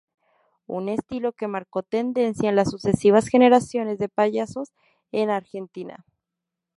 Un estilo que marcó tendencia en las sucesivas generaciones de payasos en Argentina.